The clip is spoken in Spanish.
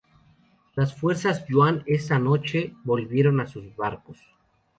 Las fuerzas Yuan esa noche volvieron a sus barcos.